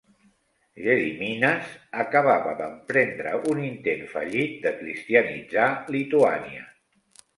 Gediminas acabava d'emprendre un intent fallit de cristianitzar Lituània.